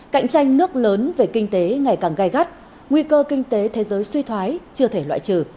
cạnh tranh nước lớn về kinh tế ngày càng gai gắt nguy cơ kinh tế thế giới suy thoái chưa thể loại trừ